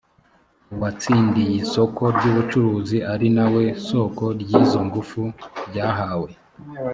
uwatsindiy isoko ryubucuruzi ari na we soko ry izo ngufu ryahawe